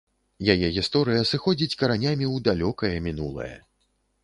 Яе гісторыя сыходзіць каранямі ў далёкае мінулае.